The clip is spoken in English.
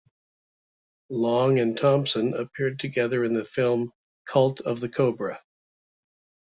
Long and Thompson appeared together in the film "Cult of the Cobra".